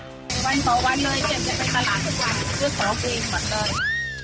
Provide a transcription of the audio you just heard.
วันต่อวันเลยจะเป็นตลาดทุกวันซื้อของตัวอีกหมดเลย